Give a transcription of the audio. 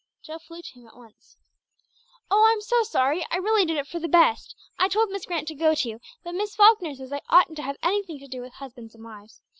Jill flew to him at once. "Oh, I'm so sorry. I really did it for the best. I told Miss Grant to go to you, but Miss Falkner says I oughtn't to have anything to do with husbands and wives.